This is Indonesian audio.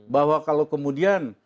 bahwa kalau kemudian